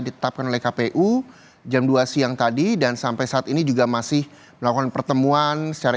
ditetapkan oleh kpu jam dua siang tadi dan sampai saat ini juga masih melakukan pertemuan secara